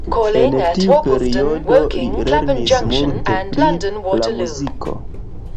En tiu periodo li lernis multe pri la muziko.